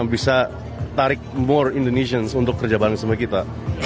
bisa tarik boar indonesians untuk kerja bareng sama kita